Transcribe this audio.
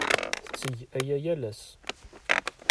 Tetteg aya yal ass.